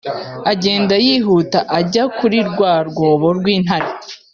agenda yihuta ajya kuri rwa rwobo rw’intare